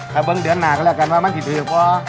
ถ้าเบิ้งเดือนหน้าก็แล้วกันว่ามันที่ดีกว่า